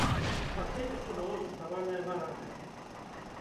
Паселішча было заснаванае варагамі.